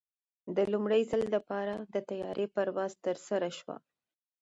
د لومړي ځل لپاره د طیارې پرواز ترسره شو.